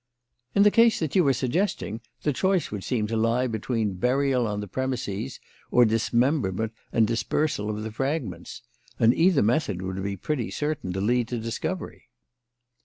"In the case that you are suggesting, the choice would seem to lie between burial on the premises or dismemberment and dispersal of the fragments; and either method would be pretty certain to lead to discovery."